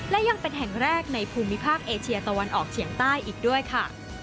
และยังเป็นแห่งแรกในภูมิภาคเอเชียตะวันออกเฉียงใต้อีกด้วยค่ะ